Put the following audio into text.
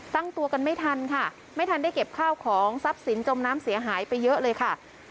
ตั้งตัวกันไม่ทันค่ะไม่ทันได้เก็บข้าวของทรัพย์สินจมน้ำเสียหายไปเยอะเลยค่ะ